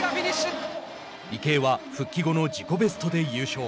池江は復帰後の自己ベストで優勝。